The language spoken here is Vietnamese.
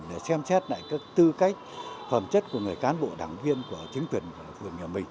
để xem xét lại các tư cách phẩm chất của người cán bộ đảng viên của chính quyền phường nhà mình